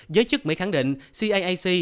giới chức mỹ khẳng định ciac